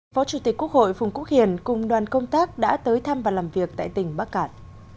phó chủ tịch quốc hội phùng quốc hiền cùng đoàn công tác đã tới thăm và làm việc tại tỉnh bắc cạn